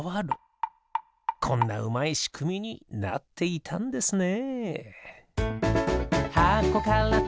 こんなうまいしくみになっていたんですね。